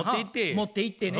持っていってね